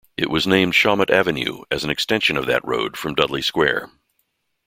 It was named Shawmut Avenue, as an extension of that road from Dudley Square.